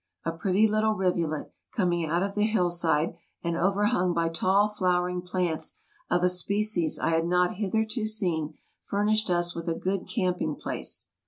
A pretty little rivulet, coming out of the hillside, and overhung by tall, flowering plants of a species I had not hitherto seen, furnished us with a good camping place.